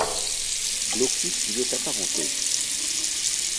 Blocus lui est apparenté.